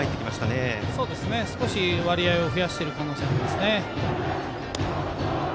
少し割合を増やしてる可能性がありますね。